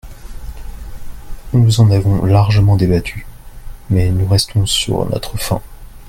Nous en avons largement débattu, mais nous restons sur notre faim.